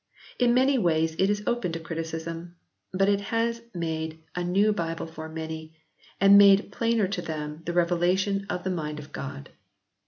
In many ways it is open to criticism, but it has made a new Bible for many, and made plainer to them the revelation of the mind of God.